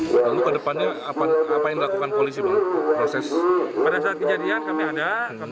ke depannya apa yang lakukan polisi proses pada saat kejadian kami ada